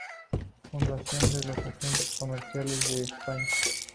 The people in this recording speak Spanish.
Fundación de los Agentes Comerciales de España.